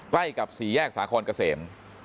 ใกล้กับ๔แยกสาครเกษม